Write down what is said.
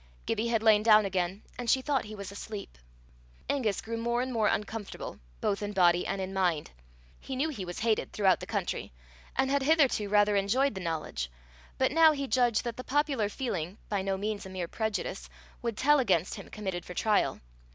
Gibbie had lain down again, and she thought he was asleep. Angus grew more and more uncomfortable, both in body and in mind. He knew he was hated throughout the country, and had hitherto rather enjoyed the knowledge; but now he judged that the popular feeling, by no means a mere prejudice, would tell against him committed for trial.